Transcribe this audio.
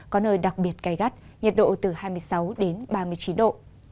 có nơi đặc biệt gai gắt nhiệt độ từ hai mươi sáu đến ba mươi chín độ